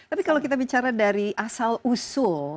tapi kalau kita bicara dari asal usul